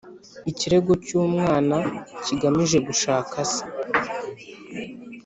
Ikirego cy umwana kigamije gushaka se